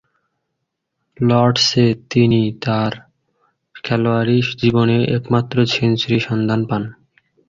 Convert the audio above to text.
লর্ডসে তিনি তার খেলোয়াড়ী জীবনের একমাত্র সেঞ্চুরির সন্ধান পান।